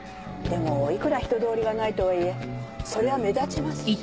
でもいくら人通りがないとはいえそれは目立ちます。